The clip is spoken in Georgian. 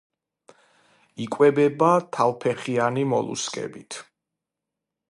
იკვებება თავფეხიანი მოლუსკებით.